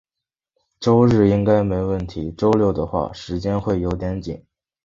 周日应该没问题，周六的话，时间会有点紧。